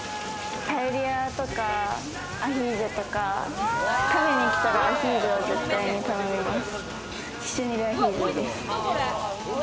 パエリアとかアヒージョとか食べに来たらアヒージョは絶対に頼みます。